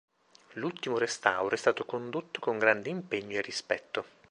L'ultimo restauro è stato condotto con grande impegno e rispetto.